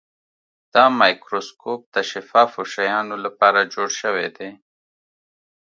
دا مایکروسکوپ د شفافو شیانو لپاره جوړ شوی دی.